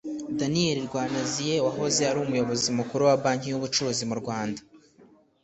daniyeli rwananiye, wahoze ari umuyobozi mukuru wa banki y'ubucuruzi mu rwanda